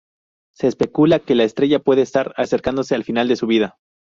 Se especula que la estrella puede estar acercándose al final de su vida.